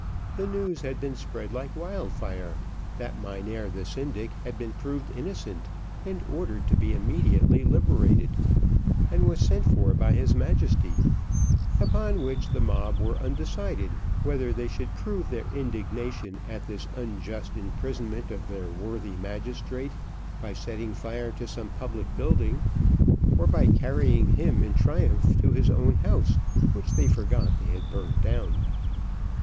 The news had been spread like wildfire, that Mynheer the syndic had been proved innocent, and ordered to be immediately liberated, and was sent for by his Majesty; upon which, the mob were undecided, whether they should prove their indignation, at this unjust imprisonment of their worthy magistrate, by setting fire to some public building, or by carrying him in triumph to his own house, which they forgot they had burnt down.